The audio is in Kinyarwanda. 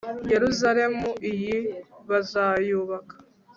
yerusalemu iyi bazayubaka